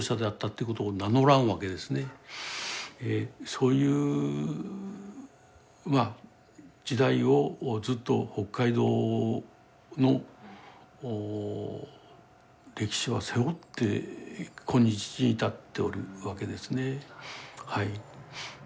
そういう時代をずっと北海道の歴史は背負って今日に至っておるわけですねはい。